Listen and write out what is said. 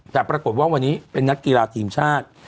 แต่ปรากฏว่าวันนี้เป็นนักกีฬาทีมชาติ